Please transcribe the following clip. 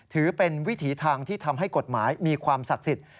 ถือเป็นวิถีทางที่ทำให้กฎหมายมีความศักดิ์สิทธิ์